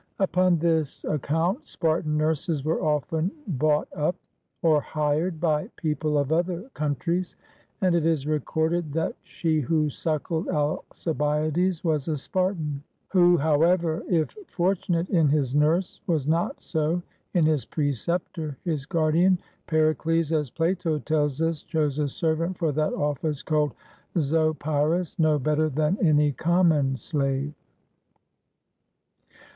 Upon this account. Spartan nurses were often bought up, or hired by people of other countries; and it is recorded that she who suckled Alci biades was a Spartan ; who, however, if fortunate in his nurse, was not so in his preceptor; his guardian, Peri cles, as Plato tells us, chose a servant for that office called Zopyrus, no better than any common slave.